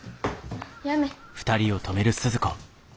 やめ。